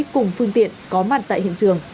cùng phương tiện có mặt tại hiện trường